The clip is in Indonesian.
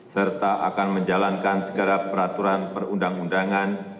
serta akan menjalankan segala peraturan perundang undangan